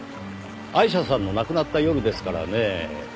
アイシャさんの亡くなった夜ですからねぇ。